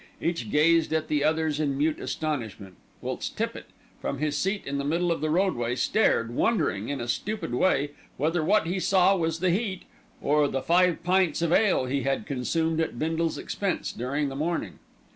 Each gazed at the others in mute astonishment, whilst Tippitt, from his seat in the middle of the roadway, stared, wondering in a stupid way whether what he saw was the heat, or the five pints of ale he had consumed at Bindle's expense during the morning.